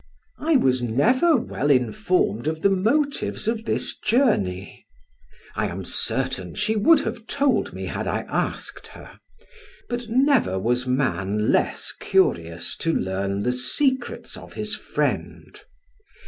I was never well informed of the motives of this journey. I am certain she would have told me had I asked her, but never was man less curious to learn the secrets of his friend.